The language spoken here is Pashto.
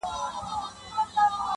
o چي یې سور د میني نه وي په سینه کي,